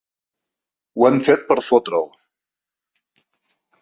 Ho han fet per fotre'l.